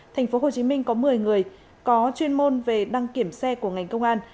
thành phố hồ chí minh có một mươi người có chuyên môn về đăng kiểm xe của ngành công an